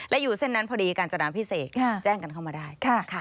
และอยู่เส้นนั้นพอดีกาญจนาพิเศษแจ้งกันเข้ามาได้